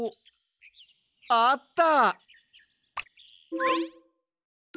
あった！